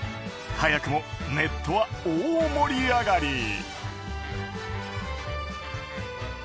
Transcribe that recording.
早くもネットは大盛り上がり。